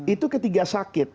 itu ketiga sakit